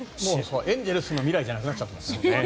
エンゼルスの未来じゃなくなっちゃいましたね。